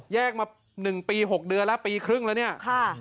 มา๑ปี๖เดือนแล้วปีครึ่งแล้วเนี่ย